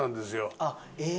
あっえっ